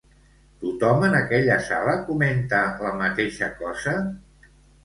Tothom en aquella sala comenta la mateixa cosa?